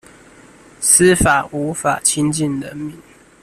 司法無法親近人民